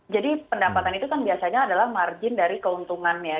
jadi pendapatan itu kan biasanya adalah margin dari keuntungannya